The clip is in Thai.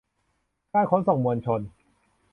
การขนส่งมวลชน